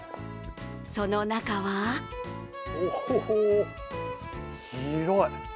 その中はおお、広い！